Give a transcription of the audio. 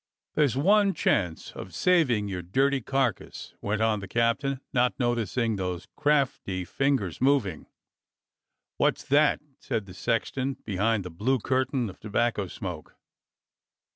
"There's one chance of saving your dirty carcass," went on the captain, not noticing those crafty fingers moving. "What's that?" said the sexton behind the blue cur tain of tobacco smoke.